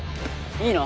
いいの？